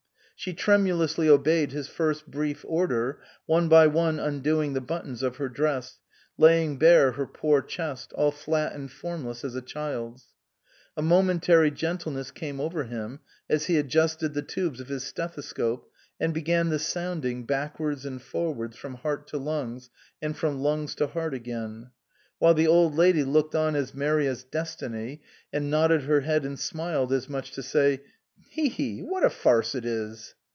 She tremulously obeyed his first brief order, one by one undoing the buttons of her dress, laying bare her poor chest, all flat and formless as a child's. A momentary gentleness came over him as he adjusted the tubes of his stetho scope and began the sounding, backwards and forwards from heart to lungs, and from lungs to heart again ; while the Old Lady looked on as merry as Destiny, and nodded her head and smiled, as much to say, "Tehee tehee, what a farce it is